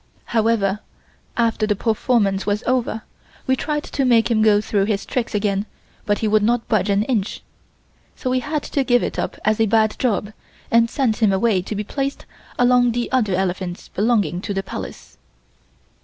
However, after the performance was over we tried to make him go through his tricks again but he would not budge an inch, so we had to give it up as a bad job and send him away to be placed along with the other elephants belonging to the Palace.